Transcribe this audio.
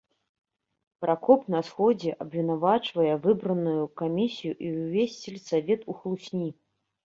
Пракоп на сходзе абвінавачвае выбраную камісію і ўвесь сельсавет у хлусні.